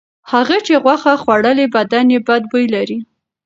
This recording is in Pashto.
هغه چې غوښه خوړلې بدن یې بد بوی لري.